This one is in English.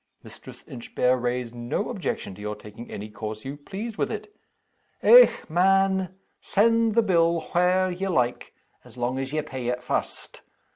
Mistress Inchbare raised no objection to your taking any course you pleased with it. "Eh, man! send the bill whar' ye like, as long as ye pay it first.